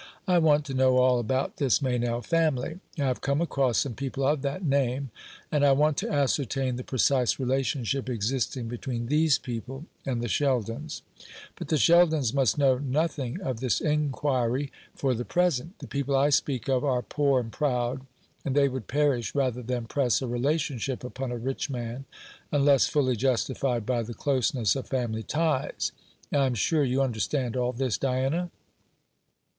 I want to know all about this Meynell family. I have come across some people of that name, and I want to ascertain the precise relationship existing between these people and the Sheldons. But the Sheldons must know nothing of this inquiry for the present. The people I speak of are poor and proud, and they would perish rather than press a relationship upon a rich man, unless fully justified by the closeness of family ties. I am sure you understand all this, Diana?"